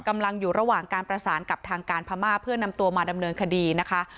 กำลังอยู่ระหว่างการประสานกับทางการพม่าเพื่อนำตัวมาดำเนินคดีนะคะ